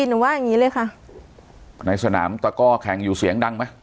หนูว่าอย่างงี้เลยค่ะในสนามตะก้อแข่งอยู่เสียงดังไหม